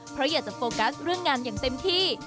เพราะอยากจะโฟกัสเรื่องงานอย่างเต็มที่